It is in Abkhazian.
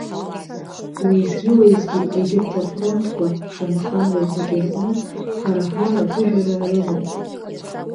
Уеизгьы-уеизгьы, егьырҭ афронтқәа, шамахамзар, зегьы рҟны, ҳара ҳар аԥыжәара рымоуп.